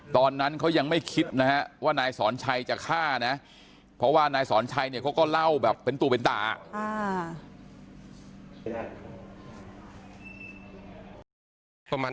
ตอนนั้นเขายังไม่คิดนะฮะว่านายสอนชัยจะฆ่านะเพราะว่านายสอนชัยเนี่ยเขาก็เล่าแบบเป็นตัวเป็นตา